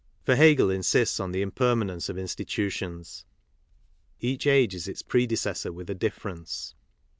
For Hegel insists on the impermanence of institutions. Each age is its predecessor with a difference.